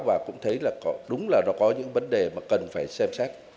và cũng thấy là đúng là nó có những vấn đề mà cần phải xem xét